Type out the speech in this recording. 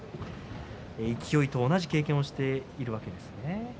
勢と同じ経験をしているわけですね。